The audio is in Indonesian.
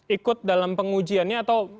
ikut dalam pengujiannya atau